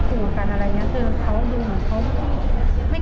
หัวกันอะไรอย่างนี้